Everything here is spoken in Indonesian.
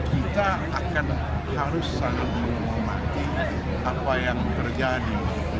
kita akan harus saling menghormati apa yang terjadi